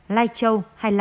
lai châu hai mươi năm